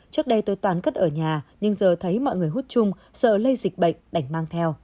trước đây tôi tán cất ở nhà nhưng giờ thấy mọi người hút chung sợ lây dịch bệnh đành mang theo